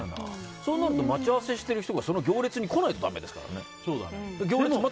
そうなると待ち合わせしてる人が行列に来ないとだめですからね。